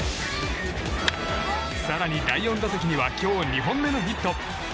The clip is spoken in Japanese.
更に第４打席には今日２本目のヒット。